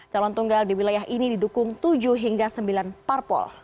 calon tunggal di wilayah ini didukung tujuh hingga sembilan parpol